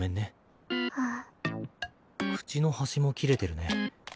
口の端も切れてるね。